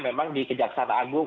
memang dikejaksana agung